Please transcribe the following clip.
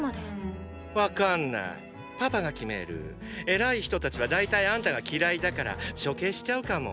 偉い人たちは大体あんたが嫌いだから処刑しちゃうかも。